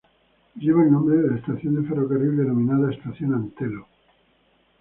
Lleva el nombre de la estación de ferrocarril denominada Estación Antelo.